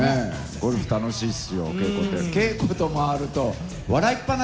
ゴルフ楽しいです。